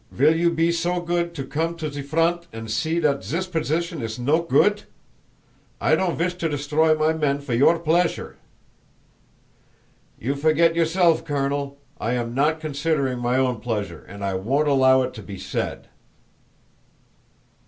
"Vill you be so goot to come to ze front and see dat zis position iss no goot? I don't vish to destroy my men for your pleasure!" "You forget yourself, Colonel. I am not considering my own pleasure and I won't allow it to be said!"